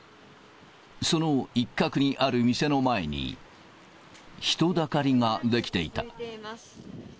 その一角にある店の前に、人だかりが出来ていた。